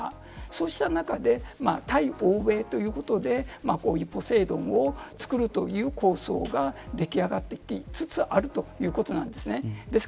そうした中で対欧米ということでこういう、ポセイドンを作るという構想が出来上がりつつあるということなんです。